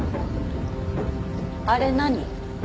あれ何？